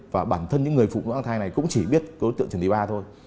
và bản thân những người phụ nữ mang thai này cũng chỉ biết đối tượng trần thị ba thôi